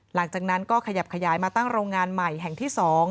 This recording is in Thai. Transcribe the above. หลังจากนั้นก็ขยับขยายมาตั้งโรงงานใหม่แห่งที่๒